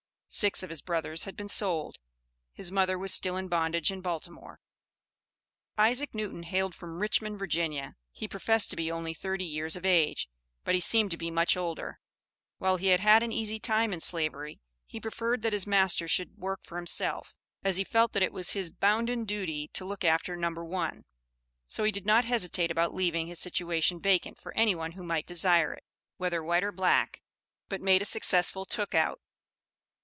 Six of his brothers had been sold; his mother was still in bondage in Baltimore. Isaac Newton hailed from Richmond, Virginia. He professed to be only thirty years of age, but he seemed to be much older. While he had had an easy time in slavery, he preferred that his master should work for himself, as he felt that it was his bounden duty to look after number one; so he did not hesitate about leaving his situation vacant for any one who might desire it, whether white or black, but made a successful "took out."